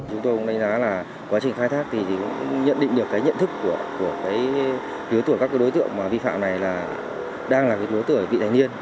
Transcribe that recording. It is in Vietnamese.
chúng tôi cũng đánh giá là quá trình khai thác thì cũng nhận định được cái nhận thức của các đối tượng vi phạm này là đang là đối tượng vị thành niên